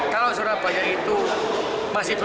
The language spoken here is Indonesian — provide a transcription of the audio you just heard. kalau surabaya itu masih belum maka bisa digunakan